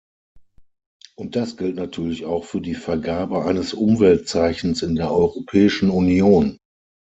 Und das gilt natürlich auch für die Vergabe eines Umweltzeichens in der Europäischen Union.